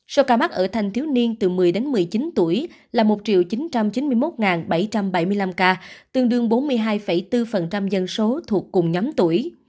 số ca mắc ở thanh thiếu niên từ một mươi đến một mươi chín tuổi là một chín trăm chín mươi một bảy trăm bảy mươi năm ca tương đương bốn mươi hai bốn dân số thuộc cùng nhóm tuổi